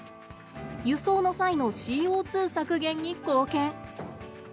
輸送の際のＣＯ削減に貢献。